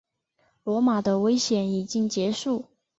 罗马的危险已经结束。